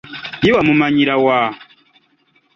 Ye wamumanyira wa?